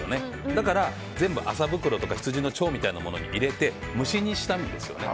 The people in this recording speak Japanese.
だから、全部、麻袋やヒツジの腸みたいなものに入れて蒸し煮したんですね。